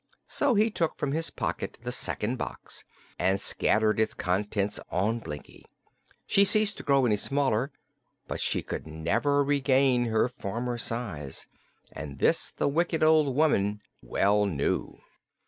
So he took from his pocket the second box and scattered its contents on Blinkie. She ceased to grow any smaller, but she could never regain her former size, and this the wicked old woman well knew.